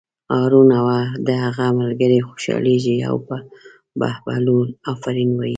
هارون او د هغه ملګري خوشحالېږي او په بهلول آفرین وایي.